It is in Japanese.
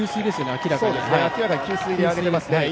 明らかに給水で上げてますね